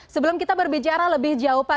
sebelum kita berbicara lebih jauh pak